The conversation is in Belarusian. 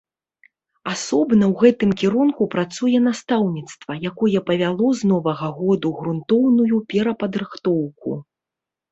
Асобна ў гэтым кірунку працуе настаўніцтва, якое павяло з новага году грунтоўную перападрыхтоўку.